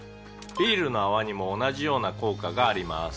「ビールの泡にも同じような効果があります」